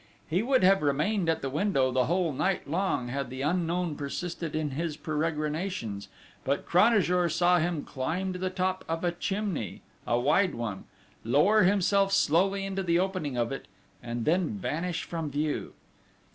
He would have remained at the window the whole night long had the unknown persisted in his peregrinations; but Cranajour saw him climb to the top of a chimney, a wide one, lower himself slowly into the opening of it, and then vanish from view!